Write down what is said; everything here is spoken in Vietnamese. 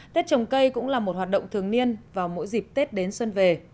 tết trồng cây cũng là một hoạt động thường niên vào mỗi dịp tết đến xuân về